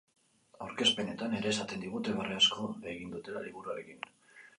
Aurkezpenetan ere esaten digute barre asko egin dutela liburuarekin.